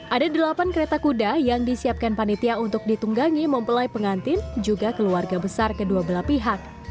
ada delapan kereta kuda yang disiapkan panitia untuk ditunggangi mempelai pengantin juga keluarga besar kedua belah pihak